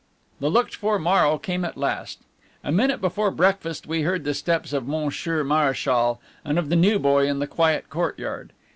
The looked for morrow came at last. A minute before breakfast we heard the steps of Monsieur Mareschal and of the new boy in the quiet courtyard.